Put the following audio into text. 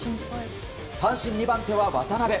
阪神２番手は渡邉。